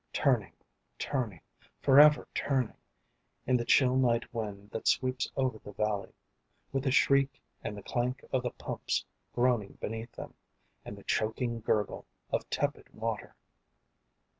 Turning, turning, forever turning In the chill night wind that sweeps over the valley, With the shriek and the clank of the pumps groaning beneath them, And the choking gurgle of tepid water.